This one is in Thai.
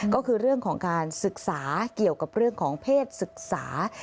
ก็คือเรื่องของการศึกษาเกี่ยวกับเรื่องของเพศศึกษา